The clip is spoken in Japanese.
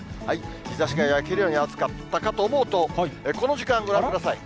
日ざしが焼けるように暑かったかと思うと、この時間、ご覧ください。